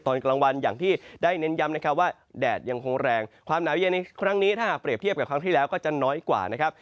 ตอนกลางวันอย่างที่ได้เน้นย้ำนะครับว่าแดดยังคงแรงความหนาวเย็นในครั้งนี้ถ้าหากเปรียบเทียบกับครั้งที่แล้วก็จะน้อยกว่านะครับ